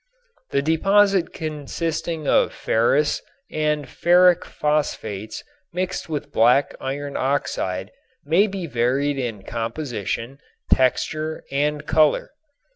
The deposit consisting of ferrous and ferric phosphates mixed with black iron oxide may be varied in composition, texture and color.